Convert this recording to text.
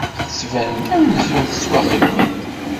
Tettbaned-d amzun yettwaxeyybed.